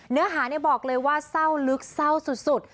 เนื้อหาบอกเลยว่าเศร้าลึกเศร้าสุด